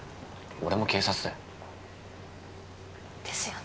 俺も警察だよですよね